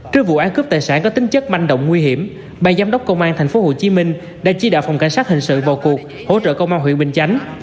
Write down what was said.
trước vụ án cướp tài sản có tính chất manh động nguy hiểm ban giám đốc công an tp hcm đã chỉ đạo phòng cảnh sát hình sự vào cuộc hỗ trợ công an huyện bình chánh